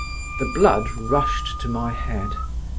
The blood rushed to my head.